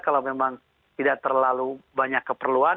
kalau memang tidak terlalu banyak keperluan